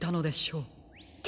って